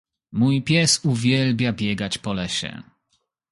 Mój pies uwielbia biegać po lesie.